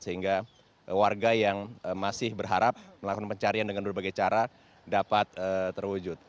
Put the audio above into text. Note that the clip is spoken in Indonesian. sehingga warga yang masih berharap melakukan pencarian dengan berbagai cara dapat terwujud